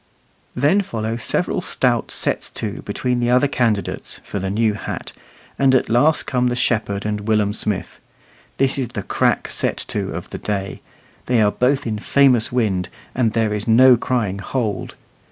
Then follow several stout sets to between the other candidates for the new hat, and at last come the shepherd and Willum Smith. This is the crack set to of the day. They are both in famous wind, and there is no crying "hold."